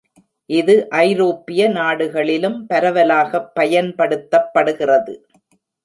இது ஐரோப்பிய நாடுகளிலும் பரவலாகப் பயன்படுத்தப்படுகிறது.